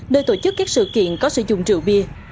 nơi tổ chức các sự kiện có sử dụng rượu bia